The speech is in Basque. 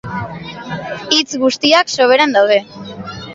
Hitz guztiak sobran daude.